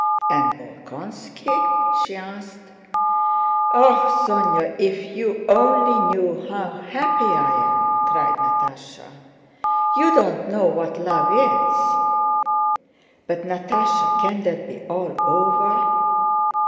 "And Bolkónski?" she asked. "Ah, Sónya, if you only knew how happy I am!" cried Natásha. "You don't know what love is...." "But, Natásha, can that be all over?"